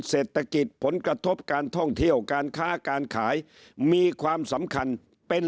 เศรษฐกิจผลกระทบการท่องเที่ยวการค้าการขายมีความสำคัญเป็น